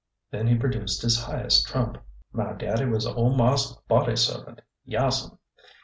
Then he produced his highest trump. My daddy was ole marse's body servant. Yaas'm."